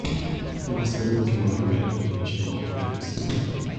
There was little camaraderie and cohesion among troops.